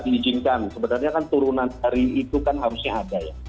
diizinkan sebenarnya kan turunan dari itu kan harusnya ada ya